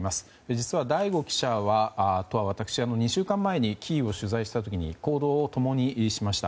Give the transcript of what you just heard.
実は醍醐記者と私は２週間前にキーウを取材した時に行動を共にしました。